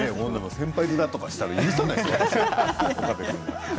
先輩面とかしたら許さないから。